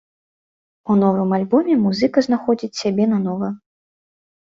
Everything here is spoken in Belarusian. У новым альбоме музыка знаходзіць сябе нанова.